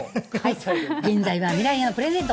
現在は未来へのプレゼント。